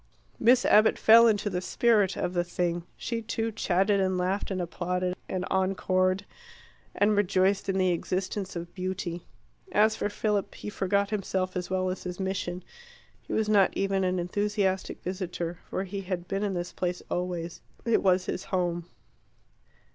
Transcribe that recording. Miss Abbott fell into the spirit of the thing. She, too, chatted and laughed and applauded and encored, and rejoiced in the existence of beauty. As for Philip, he forgot himself as well as his mission. He was not even an enthusiastic visitor. For he had been in this place always. It was his home.